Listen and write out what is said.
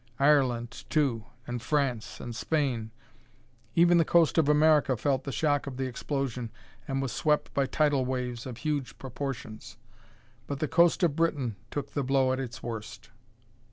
Ireland, too, and France and Spain. Even the coast of America felt the shock of the explosion and was swept by tidal waves of huge proportions. But the coast of Britain took the blow at its worst.